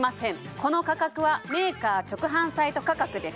この価格はメーカー直販サイト価格です